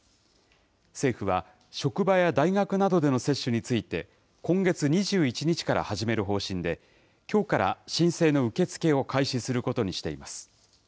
政府は職場や大学などでの接種について、今月２１日から始める方針で、きょうから申請の受け付けを開始することにしています。